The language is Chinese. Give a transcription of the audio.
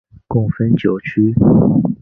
共分九区。